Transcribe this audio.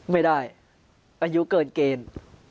ไม่ได้อายุเกินเกณฑ์